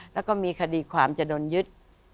แล้วก็มีคดีความจะโดนยึด